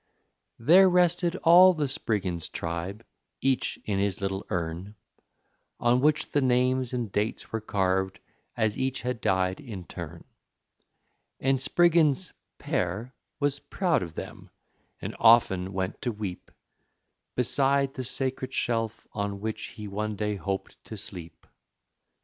There rested all the Spriggins tribe, each in his little urn, On which the names and dates were carved, as each had died in turn; And Spriggins, père, was proud of them, and often went to weep, Beside the sacred shelf on which he one day hoped to sleep.